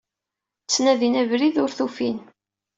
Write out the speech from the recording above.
Ttnadin abrid ur t-ufin.